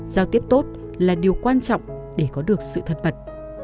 giao tiếp tốt là điều quan trọng để có được sự thật